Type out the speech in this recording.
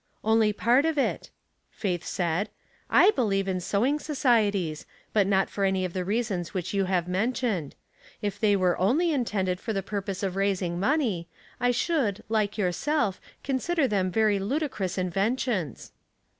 "Only part of it," Faith said. " J believe in sewing societies, but not for any of the reasons which you have mentioned. If they were only intended for the purpose of raising money, I should, like yourself, consider them very ludicrous inventions."